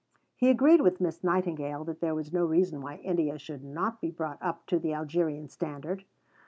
He agreed with Miss Nightingale that there was no reason why India should not be brought up to the Algerian standard.